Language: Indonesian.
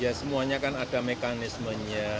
ya semuanya kan ada mekanismenya